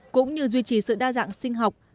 cũng như duy trì sự đa dạng sinh học